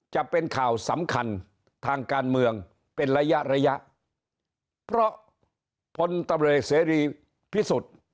จะเป็นข่าวสำคัญทางการเมืองเป็นระยะระยะเพราะพลตำรวจเสรีพิสุทธิ์